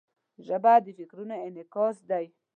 ژبه د فکرونو انعکاس دی